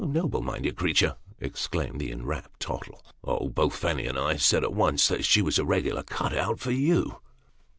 " Noble minded creature !" exclaimed the enraptured Tottle. " Oh ! both Fanny and I said, at once, that she was regularly cut out for you."